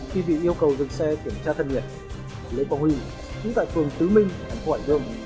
khi bị yêu cầu dừng xe kiểm tra thân liệt lễ quang huy chính tại phường tứ minh thành phố hải dương